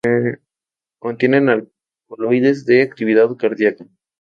Contienen alcaloides de actividad cardíaca.